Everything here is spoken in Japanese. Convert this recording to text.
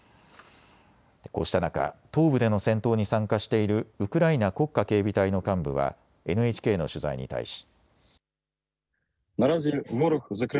こうした中、東部での戦闘に参加しているウクライナ国家警備隊の幹部はＮＨＫの取材に対し。